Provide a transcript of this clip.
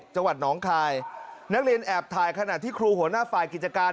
จังหวัดหนองคายนักเรียนแอบถ่ายขณะที่ครูหัวหน้าฝ่ายกิจการ